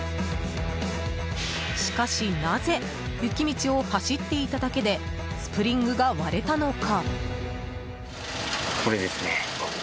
しかし、なぜ雪道を走っていただけでスプリングが割れたのか？